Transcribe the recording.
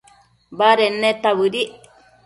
baded neta bëdic